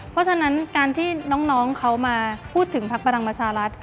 เพราะฉะนั้นการที่น้องเขามาพูดถึงพักพลังประชารัฐ